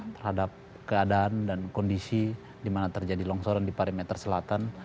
terhadap keadaan dan kondisi di mana terjadi longsoran di parameter selatan